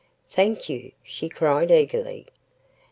"Thank you," she cried eagerly.